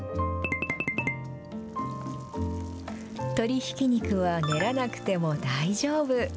鶏ひき肉は練らなくても大丈夫。